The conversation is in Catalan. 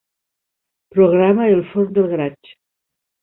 Programa el forn del garatge.